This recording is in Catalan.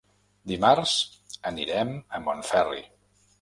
Dimarts anirem a Montferri.